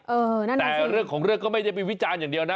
นั่นแหละแต่เรื่องของเรื่องก็ไม่ได้ไปวิจารณ์อย่างเดียวนะ